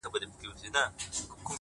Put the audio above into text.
ته یې لور د شراب؛ زه مست زوی د بنګ یم؛